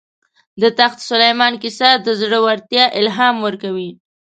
د تخت سلیمان کیسه د زړه ورتیا الهام ورکوي.